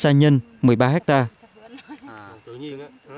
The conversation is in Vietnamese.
xa nhân một mươi ba hectare